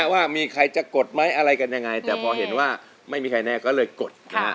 ว่ามีใครจะกดไหมอะไรกันยังไงแต่พอเห็นว่าไม่มีใครแน่ก็เลยกด